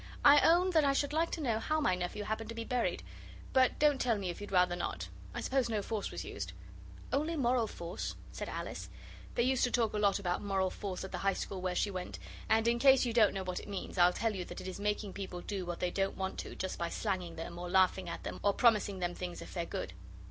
I own that I should like to know how my nephew happened to be buried. But don't tell me if you'd rather not. I suppose no force was used?' 'Only moral force,' said Alice. They used to talk a lot about moral force at the High School where she went, and in case you don't know what it means I'll tell you that it is making people do what they don't want to, just by slanging them, or laughing at them, or promising them things if they're good.